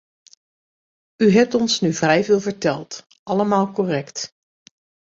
U hebt ons nu vrij veel verteld, allemaal correct.